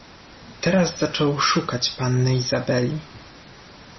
"Teraz zaczął szukać panny Izabeli."